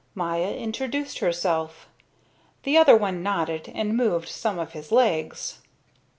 Maya introduced herself. The other one nodded and moved some of his legs.